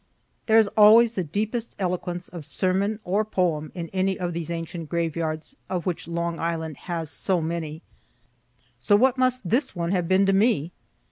There is always the deepest eloquence of sermon or poem in any of these ancient graveyards of which Long Island has so many; so what must this one have been to me?